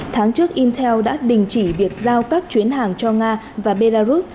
tháng trước intel đã đình chỉ việc giao các chuyến hàng cho nga và belarus